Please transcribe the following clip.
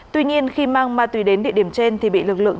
tuy nhiên khi mang ma túy đến địa điểm trên thì bị lực lượng